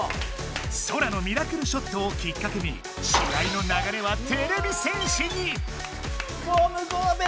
ソラのミラクルショットをきっかけに試合のながれはてれび戦士に！